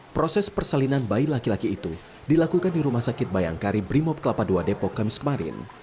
proses persalinan bayi laki laki itu dilakukan di rumah sakit bayangkari brimob kelapa ii depok kamis kemarin